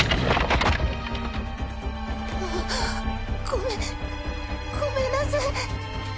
ああごめごめんなさい